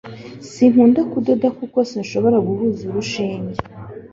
sinkunda kudoda kuko sinshobora guhuza urushinge